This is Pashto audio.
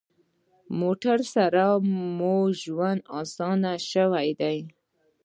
موټر سره مو ژوند اسانه شوی دی.